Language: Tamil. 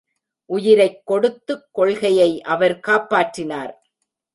உயிரைக் கொடுத்து கொள்கையை அவர் காப்பாற்றினார்.